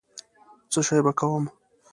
څشي به کوم.